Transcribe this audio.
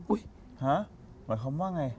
อุ๊ยหาหมายความว่าอย่างไร